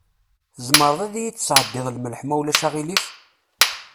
Tzemreḍ ad yi-d-tesɛeddiḍ lmelḥ, ma ulac aɣilif?